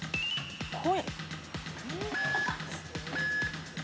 「声」？